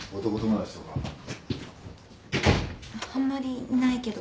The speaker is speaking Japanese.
あんまりいないけど。